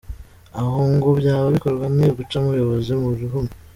Aho ngo byaba bikorwa ni uguca ubuyobozi mu rihumye.